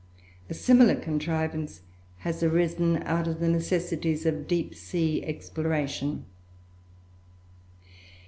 A similar contrivance has arisen out of the necessities of deep sea exploration.